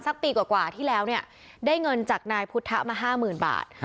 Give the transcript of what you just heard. ปีกว่าที่แล้วเนี่ยได้เงินจากนายพุทธมา๕๐๐๐บาท